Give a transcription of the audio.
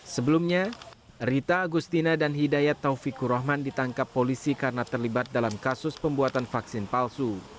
sebelumnya rita agustina dan hidayat taufikur rahman ditangkap polisi karena terlibat dalam kasus pembuatan vaksin palsu